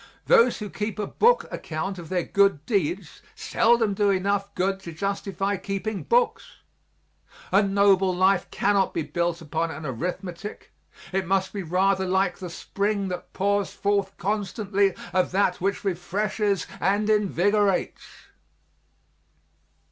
Those who keep a book account of their good deeds seldom do enough good to justify keeping books. A noble life cannot be built upon an arithmetic; it must be rather like the spring that pours forth constantly of that which refreshes and invigorates.